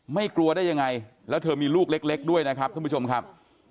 ไม่กลัวได้ยังไงแล้วเธอมีลูกเล็กด้วยนะครับท่านผู้ชมครับ